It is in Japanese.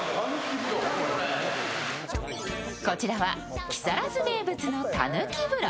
こちらは木更津名物のたぬき風呂。